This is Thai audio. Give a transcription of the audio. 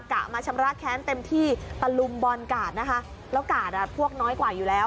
ะมาชำระแค้นเต็มที่ตะลุมบอลกาดนะคะแล้วกาดอ่ะพวกน้อยกว่าอยู่แล้ว